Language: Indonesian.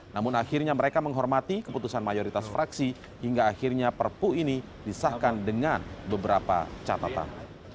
namun akhirnya mereka menghormati keputusan mayoritas fraksi hingga akhirnya perpu ini disahkan dengan beberapa catatan